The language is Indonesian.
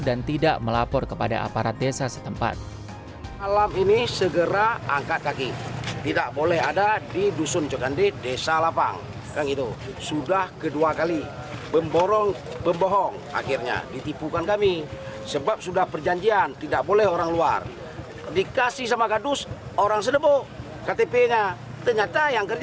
dan tidak melapor kepada aparat desa setempat